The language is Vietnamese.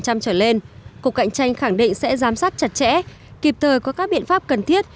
cục cạnh tranh khẳng định sẽ giám sát chặt chẽ kịp thời có các biện pháp cần thiết